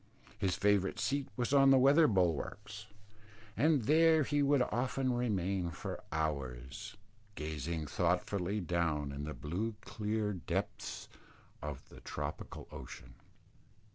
His favourite seat was on the weather bulwarks; and there he would often remain for hours, gazing thoughtfully down in the blue clear depths of the tropical ocean.